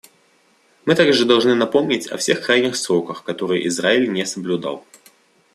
Мы также должны напомнить о всех крайних сроках, которые Израиль не соблюдал.